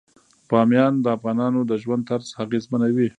بامیان د افغانانو د ژوند طرز اغېزمنوي.